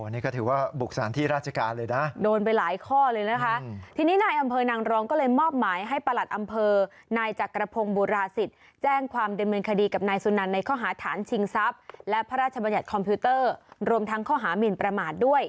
อ๋อนี่ก็ถือว่าบุกศาลที่ราชการเลยนะ